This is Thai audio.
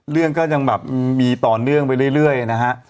เรื่องก็ยังแบบมีต่อเนื่องไปเรื่อยนะฮะ